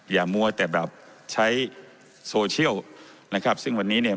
มัวแต่แบบใช้โซเชียลนะครับซึ่งวันนี้เนี่ย